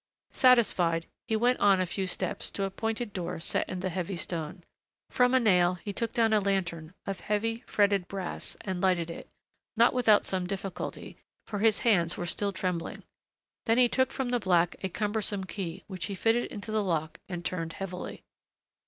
Satisfied he went on a few steps to a pointed door set in the heavy stone. From a nail he took down a lantern of heavy, fretted brass and lighted it, not without some difficulty, for his hands were still trembling. Then he took from the black a cumbersome key which he fitted into the lock and turned heavily.